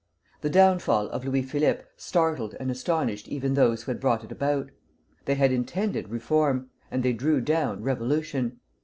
The downfall of Louis Philippe startled and astonished even those who had brought it about. They had intended reform, and they drew down revolution.